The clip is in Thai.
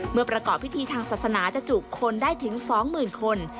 ประกอบพิธีทางศาสนาจะจุคนได้ถึง๒๐๐๐คน